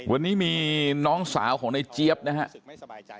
วันนี้มีน้องสาวของนายเจี๊ยบนะฮะ